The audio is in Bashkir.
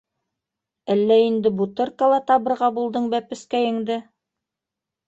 Әллә инде Бутыркала табырға булдың бәпескәйеңде?!